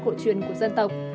cổ truyền của dân tộc